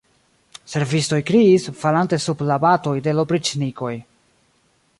Servistoj kriis, falante sub la batoj de l' opriĉnikoj.